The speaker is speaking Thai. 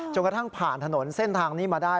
กระทั่งผ่านถนนเส้นทางนี้มาได้